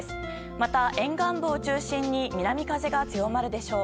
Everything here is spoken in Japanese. また、沿岸部を中心に南風が強まるでしょう。